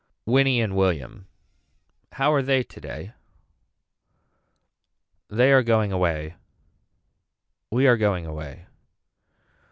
Winnie and William. How are they today. They are going away. We are going away.